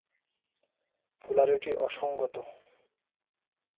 Polarity অসঙ্গত।